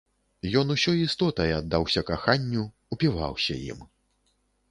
Ён усёй істотай аддаўся каханню, упіваўся ім.